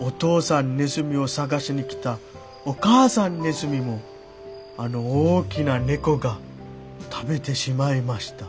お父さんネズミを捜しに来たお母さんネズミもあの大きな猫が食べてしまいました」。